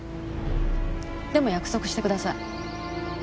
でも約束してください。